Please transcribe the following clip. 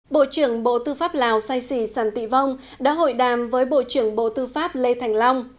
bộ trưởng bộ tư pháp lào sai sì săn tị vong đã hội đàm với bộ trưởng bộ tư pháp lê thành long